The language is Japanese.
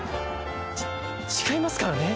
ち違いますからね。